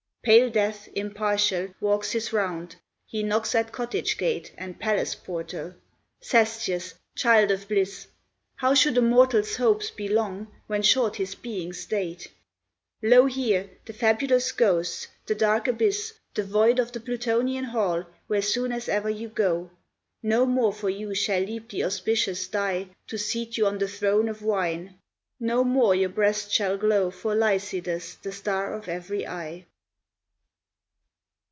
Pale Death, impartial, walks his round; he knocks at cottage gate And palace portal. Sestius, child of bliss! How should a mortal's hopes be long, when short his being's date? Lo here! the fabulous ghosts, the dark abyss, The void of the Plutonian hall, where soon as e'er you go, No more for you shall leap the auspicious die To seat you on the throne of wine; no more your breast shall glow For Lycidas, the star of every eye.